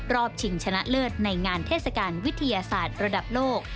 ชิงชนะเลิศในงานเทศกาลวิทยาศาสตร์ระดับโลก